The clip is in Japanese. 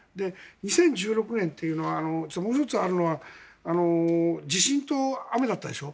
２０１６年というのはもう１つあるのは地震と雨だったでしょ？